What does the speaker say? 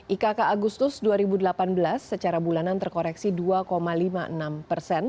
ikk agustus dua ribu delapan belas secara bulanan terkoreksi dua lima puluh enam persen